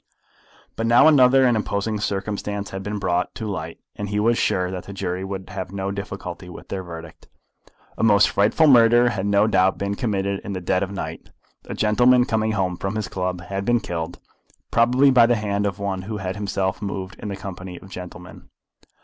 But now other and imposing circumstances had been brought to light, and he was sure that the jury would have no difficulty with their verdict. A most frightful murder had no doubt been committed in the dead of the night. A gentleman coming home from his club had been killed, probably by the hand of one who had himself moved in the company of gentlemen.